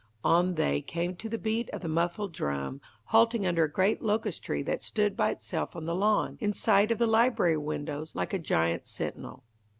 On they came to the beat of the muffled drum, halting under a great locust tree that stood by itself on the lawn, in sight of the library windows, like a giant sentinel.